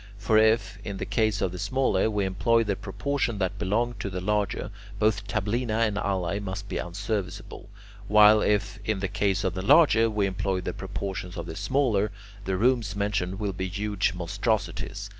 For if, in the case of the smaller, we employ the proportion that belong to the larger, both tablina and alae must be unserviceable, while if, in the case of the larger, we employ the proportions of the smaller, the rooms mentioned will be huge monstrosities.